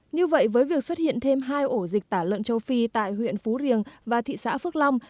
như vậy với việc xuất hiện thêm hai ổ dịch tả lợn châu phi tại huyện phú riềng và thị xã phước long